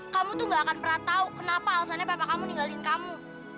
kamu tuh gak akan pernah tahu kenapa alasannya bapak kamu ninggalin kamu